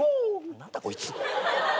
何だこいつ。